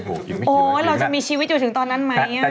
โอ้โหเราจะมีชีวิตอยู่ถึงตอนนั้นไหม